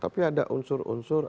tapi ada unsur unsur